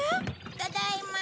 ただいま。